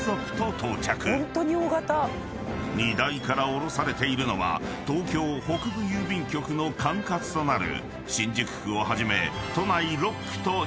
［荷台から降ろされているのは東京北部郵便局の管轄となる］